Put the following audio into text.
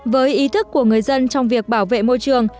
với ý thức của người dân trong việc bảo vệ môi trường